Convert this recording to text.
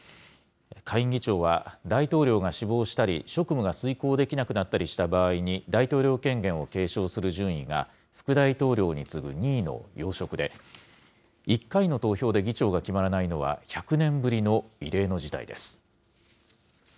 下院議長は大統領が死亡したり、職務が遂行できなくなったりした場合に、大統領権限を継承する順位が、副大統領に次ぐ２位の要職で、１回の投票で議長が決まらないのは１００年ぶりの異例の事態です。